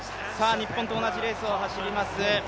日本と同じレースを走ります